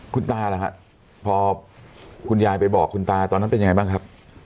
คุณตาล่ะครับพอคุณยายไปบอกคุณตาตอนนั้นเป็นยังไงบ้างครับ